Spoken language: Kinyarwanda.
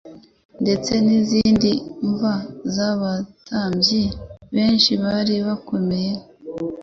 ndetse n'izindi mva z'abatambyi benshi bari bakomeye.